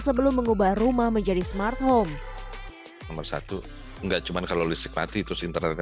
sebelum mengubah rumah menjadi smart home nomor satu enggak cuman kalau listrik mati terus internet